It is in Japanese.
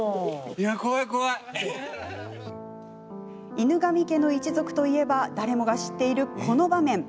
「犬神家の一族」といえば誰もが知っている、この場面。